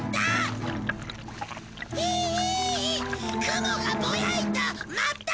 「雲がぼやいた。